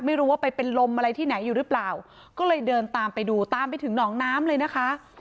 ไม่รู้ว่าไปเป็นลมอะไรที่ไหนอยู่หรือเปล่าก็เลยเดินตามไปดูตามไปถึงหนองน้ำเลยนะคะ